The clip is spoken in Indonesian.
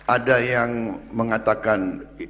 ada yang mengatakan